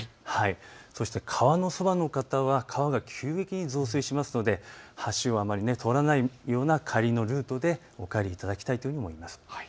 そして川のそばの方は川が急激に増水しますので橋はあまり通らないような帰りのルートでお帰りいただきたいというふうに思います。